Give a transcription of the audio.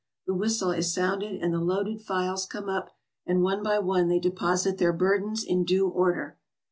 The whistle is sounded and the loaded files come up, and one by one they deposit their burdens in due order.